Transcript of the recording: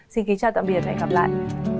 xin kính chào tạm biệt và hẹn gặp lại